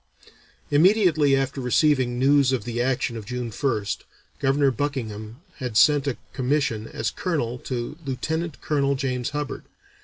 Immediately after receiving news of the action of June 1st, Governor Buckingham had sent a commission as colonel to Lieutenant Colonel James Hubbard.